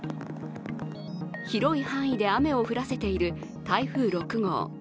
広い範囲で雨を降らせている台風６号。